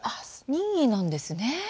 任意なんですね。